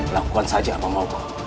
lakukan saja apa mau